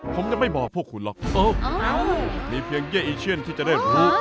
ผมจะไม่บอกคุณหรอกโอ้มีเพียงเฮียอิเชียนที่จะได้รู้